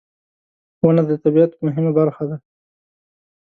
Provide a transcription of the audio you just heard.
• ونه د طبیعت مهمه برخه ده.